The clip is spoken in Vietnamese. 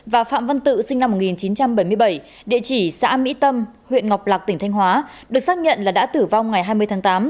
và phạm văn tự sinh năm một nghìn chín trăm bảy mươi bảy địa chỉ xã mỹ tâm huyện ngọc lạc tỉnh thanh hóa được xác nhận là đã tử vong ngày hai mươi tháng tám